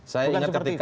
bukan seperti itu